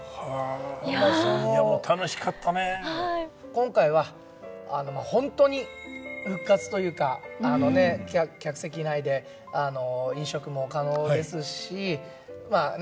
今回はホントに復活というかあのね客席内で飲食も可能ですしまあね